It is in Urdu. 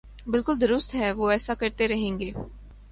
بالکل درست ہے اور وہ ایسا کرتے رہیں گے۔